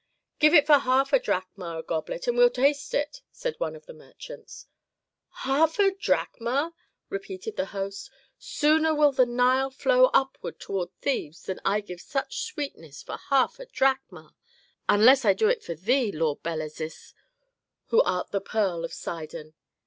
"Give it for half a drachma a goblet, and we will taste it," said one of the merchants. "Half a drachma!" repeated the host. "Sooner will the Nile flow upward toward Thebes than I give such sweetness for half a drachma, unless I do it for thee, Lord Belezis, who art the pearl of Sidon.